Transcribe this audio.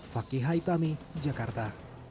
fakih haithami jakarta